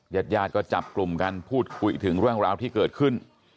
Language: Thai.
ญาติญาติก็จับกลุ่มกันพูดคุยถึงเรื่องราวที่เกิดขึ้น